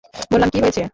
বললাম, কী হয়েছে?